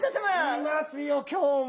いますよ今日も！